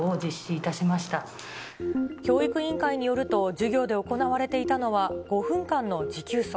教育委員会によると、授業で行われていたのは５分間の持久走。